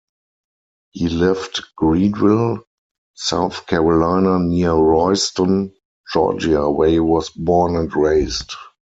He lived Greenville, South Carolina, near Royston, Georgia, where he was born and raised.